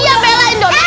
iya belain dodot